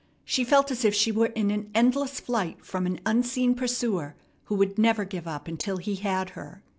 She felt as if she were in an endless flight from an unseen pursuer, who would never give up until he had her.